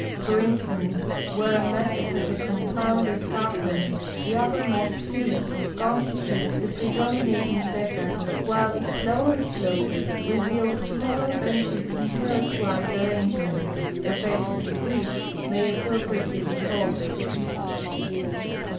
For instance, where a mesa has a compound escarpment the uppermost cliff constitutes the pre dominating ceja, wliile its lower slopes reveal smaller benches in terrace like arrangement, the faces of which may appropriately be called cejitas.